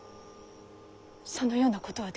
そのようなことはできませぬ。